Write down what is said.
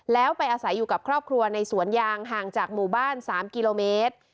แล้วไปอาศัยอยู่กับครอบครัวในสวนยางห่างจากหมู่บ้าน๓กิโลเมตร